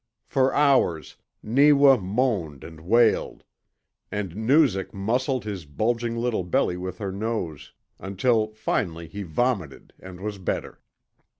For hours Neewa moaned and wailed, and Noozak muzzled his bulging little belly with her nose, until finally he vomited and was better.